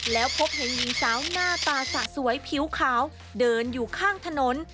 แล้วพบเห็นหญิงสาวหน้าตาสะสวยผิวขาวเดินอยู่ข้างถนน